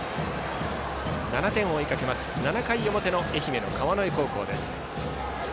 ７点を追いかけます７回の表の愛媛の川之江高校です。